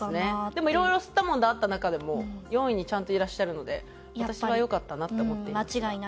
でも色々すったもんだあった中でも４位にちゃんといらっしゃるので私はよかったなって思っていますが。